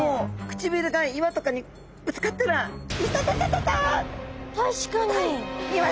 唇が岩とかにぶつかったら確かに。